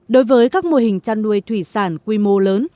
đối với các mô hình chăn nuôi thủy sản quy mô lớn